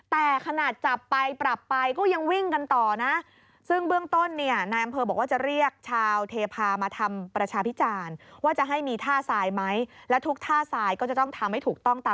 แต่ขนาดจับไปปรับไปก็ยังวิ่งกันต่อนะ